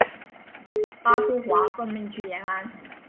巴苏华奉命去延安。